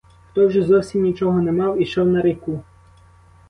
Хто вже зовсім нічого не мав, ішов на ріку.